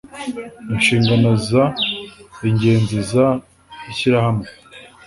Inshingano z inzego z ishyirahamwe